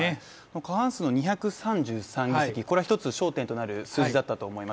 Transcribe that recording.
過半数の２３３議席これは焦点となる数字だったと思います。